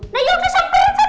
nah yuk kesempatan